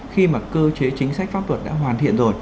khi mà cơ chế chính sách pháp luật đã hoàn thiện rồi